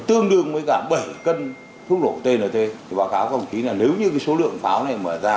tương đương với cả bảy cân thuốc nổ tnt thì báo cáo công khí là nếu như số lượng pháo này mở ra